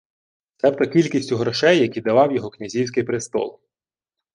Себто кількістю грошей, які давав його князівський престол